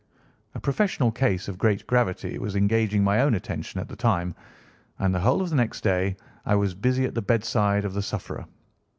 A professional case of great gravity was engaging my own attention at the time, and the whole of next day I was busy at the bedside of the sufferer.